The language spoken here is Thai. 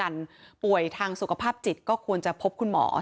สวัสดีครับ